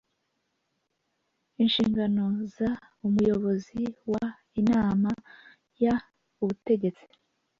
Inshingano z umuyobozi w Inama y Ubutegetsi